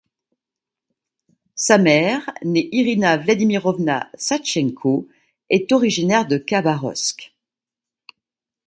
Sa mère, née Irina Vladimirovna Savtchenko, est originaire de Khabarovsk.